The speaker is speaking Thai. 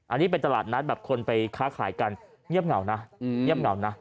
อันนี้เป็นตลาดนัดแบบคนไปค้าขายกันเงียบเหงานะ